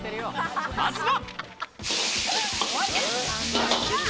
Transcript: まずは。